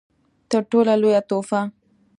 تر ټولو لويه تحفه